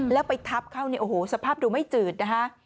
แล้วไปทับเข้าเนี่ยโอ้โหสภาพดูไม่จืดนะคะ